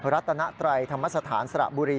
รัตนไตรธรรมสถานสระบุรี